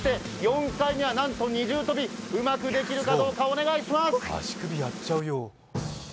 ４回目はなんと二重跳びうまくできるかどうか、お願いします！